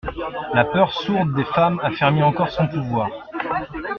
La peur sourde des femmes affermit encore son pouvoir.